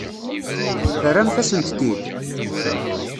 Terram-asent-t-id?